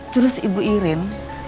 terus ibu iren